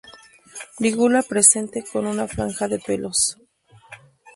Lígula presente; con una franja de pelos.